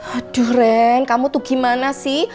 aduh ren kamu tuh gimana sih